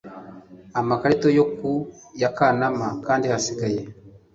amakarita yo ku yaKanama kandi hasigaye